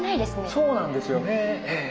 そうなんですよねええ。